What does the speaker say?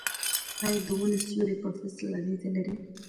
آیا د ونو سیوری په فصل اغیز لري؟